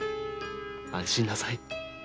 安心なさい。